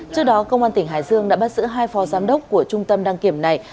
trước đó công an tỉnh hải dương đã bắt giữ hai phó giám đốc của trung tâm đăng kiểm này